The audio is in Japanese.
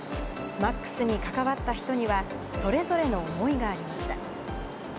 Ｍａｘに関わった人には、それぞれの思いがありました。